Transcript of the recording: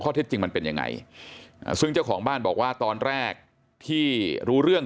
เท็จจริงมันเป็นยังไงซึ่งเจ้าของบ้านบอกว่าตอนแรกที่รู้เรื่อง